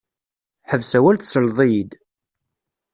Ḥbes awal tesleḍ-iyi-d.